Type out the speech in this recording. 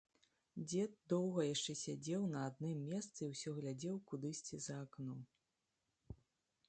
Дзед доўга яшчэ сядзеў на адным месцы і ўсё глядзеў кудысьці за акно.